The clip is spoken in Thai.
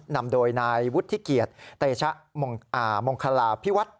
นำโดยนายวุฒิเกียรติเตชะมงคลาพิวัฒน์